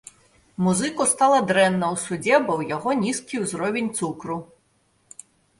Музыку стала дрэнна ў судзе, бо ў яго нізкі ўзровень цукру.